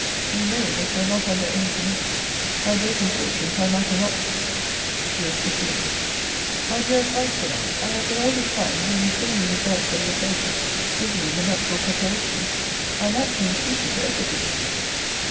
You know, that you are not under any to me. My broken fortunes I matter not She was proceeding My dearest life, said I, I have been all this time, though you fill me with doubts of your favour, busy in the nuptial preparations. I am actually in treaty for equipage.